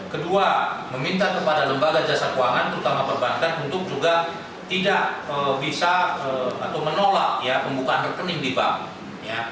kedua meminta kepada lembaga jasa keuangan terutama perbankan untuk juga tidak bisa atau menolak pembukaan rekening di bank